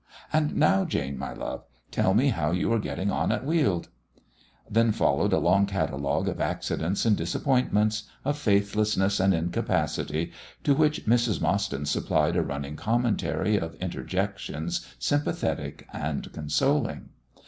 And now, Jane, my love, tell me how you are getting on at Weald." Then followed a long catalogue of accidents and disappointments, of faithlessness and incapacity, to which Mrs. Mostyn supplied a running commentary of interjections sympathetic and consoling.